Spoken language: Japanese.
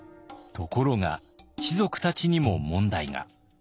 ところが士族たちにも問題が。